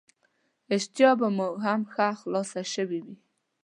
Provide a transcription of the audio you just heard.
اشتها به مو هم ښه خلاصه شوې وي.